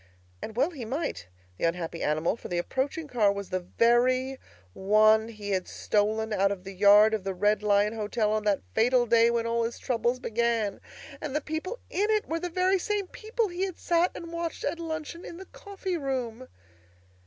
And well he might, the unhappy animal; for the approaching car was the very one he had stolen out of the yard of the Red Lion Hotel on that fatal day when all his troubles began! And the people in it were the very same people he had sat and watched at luncheon in the coffee room!